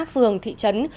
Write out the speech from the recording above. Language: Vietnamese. phường thị trấn